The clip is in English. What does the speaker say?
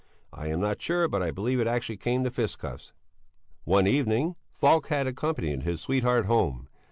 I am not sure, but I believe it actually came to fisticuffs. One evening Falk had accompanied his sweetheart home.